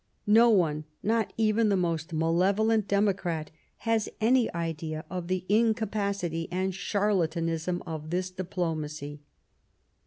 No one, not even the most malevolent democrat, has any idea of the incapacity and charlatanism of this diplomacy."